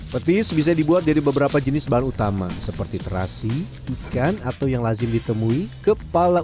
petis bisa dibuat dari beberapa jenis bahan utama seperti terasi ikan atau yang lazim ditemui kepala